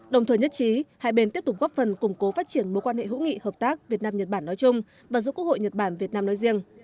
đồng thời nhất trí hai bên tiếp tục góp phần củng cố phát triển mối quan hệ hữu nghị hợp tác việt nam nhật bản nói chung và giữa quốc hội nhật bản việt nam nói riêng